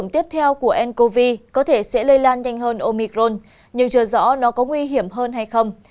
tiếp theo của ncov có thể sẽ lây lan nhanh hơn omicron nhưng chưa rõ nó có nguy hiểm hơn hay không